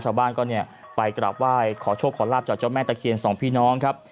ชาวบ้านก็เนี่ยไปกราบไหว้ขอโชคขอลาบจากเจ้าแม่ตะเคียนสองพี่น้องครับ